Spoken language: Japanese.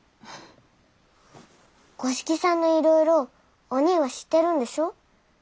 五色さんのいろいろおにぃは知ってるんでしょう？